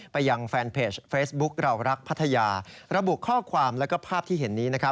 ไปยังแฟนเพจเฟซบุ๊คเรารักพัทยาระบุข้อความและภาพที่เห็นนี้